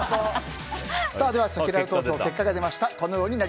では、せきらら投票結果が出ました。